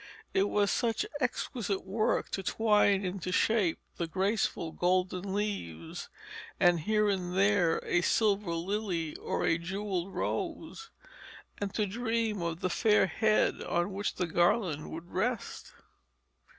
It was such exquisite work to twine into shape the graceful golden leaves, with here and there a silver lily or a jewelled rose, and to dream of the fair head on which the garland would rest.